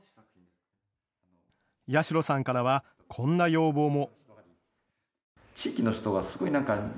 八代さんからはこんな要望も。